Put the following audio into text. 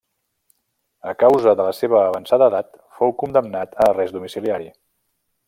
A causa de la seva avançada edat, fou condemnat a arrest domiciliari.